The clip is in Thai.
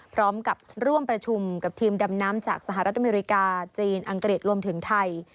พร้อมกับร่วมประชุมกับทีมดำน้ำจากสหรัฐอเมริกาจีนอังกฤษรวมถึงไทย